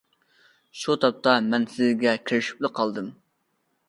شۇ تاپتا مەن سىزگە كىرىشىپلا قالدىم.